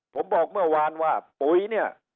ผมบอกเมื่อวานว่าปุ๋ยเนี่ย